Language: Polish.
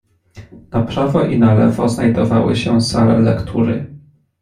"Na prawo i na lewo znajdowały się sale lektury."